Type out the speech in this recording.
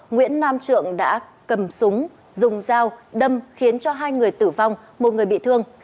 nguyễn nam trượng đã cầm súng dùng dao đâm khiến hai người tử vong một người bị thương